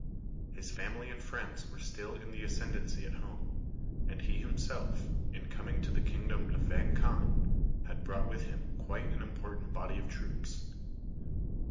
His family and friends were still in the ascendency at home, and he himself, in coming to the kingdom of Vang Khan, had brought with him quite an important body of troops.